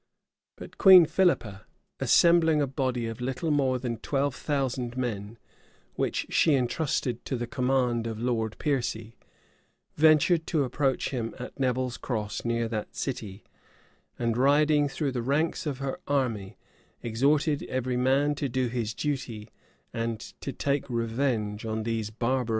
[] But Queen Philippa, assembling a body of little more than twelve thousand men,[] which she intrusted to the command of Lord Piercy, ventured to approach him at Neville's Cross near that city; and riding through the ranks of her army, exhorted every man to do his duty, and to take revenge on these barbarous ravagers.